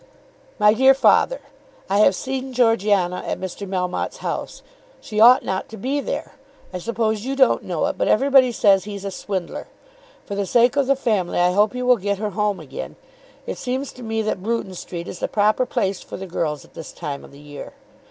MY DEAR FATHER, I have seen Georgiana at Mr. Melmotte's house. She ought not to be there. I suppose you don't know it, but everybody says he's a swindler. For the sake of the family I hope you will get her home again. It seems to me that Bruton Street is the proper place for the girls at this time of the year.